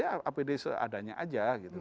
dia apd seadanya saja gitu